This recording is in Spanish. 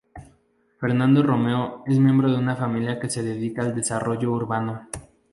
Fernando Romero es miembro de una familia que se dedica al desarrollo urbano.